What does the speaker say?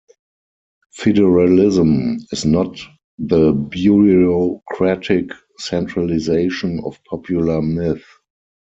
Federalism is not the bureaucratic centralisation of popular myth.